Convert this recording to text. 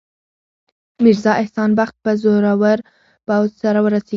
میرزا احسان بخت به زورور پوځ سره ورسیږي.